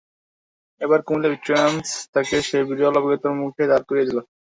এবার কুমিল্লা ভিক্টোরিয়ানস তাঁকে সেই বিরল অভিজ্ঞতার মুখে দাঁড় করিয়ে দিল।